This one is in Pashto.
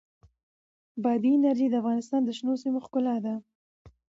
بادي انرژي د افغانستان د شنو سیمو ښکلا ده.